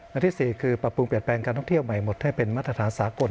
ข้อที่สี่ก็คือปรับปรุงเพลิดแปลงความการทั่วเที่ยวใหม่หมดให้เป็นมาตรฐานสากล